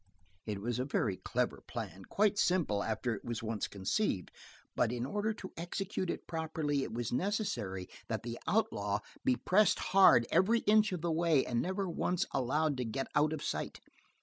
It was a very clever plan, quite simple after it was once conceived, but in order to execute it properly it was necessary that the outlaw be pressed hard every inch of the way and never once allowed to get out of sight.